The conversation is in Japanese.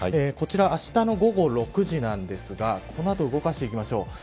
こちらあしたの午後６時なんですがこの後、動かしていきます。